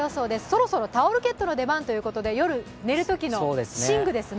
そろそろタオルケットの出番ということで、夜、寝るときの寝具ですね。